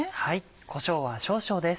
こしょうは少々です。